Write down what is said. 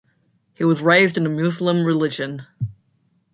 He was raised in the Muslim religion.